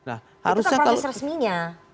itu kan proses resminya